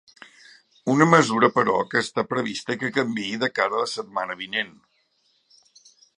Una mesura, però, que està prevista que canviï de cara a la setmana vinent.